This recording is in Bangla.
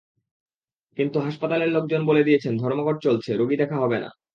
কিন্তু হাসপাতালের লোকজন বলে দিয়েছেন ধর্মঘট চলছে, রোগী দেখা হবে না।